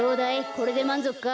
これでまんぞくか？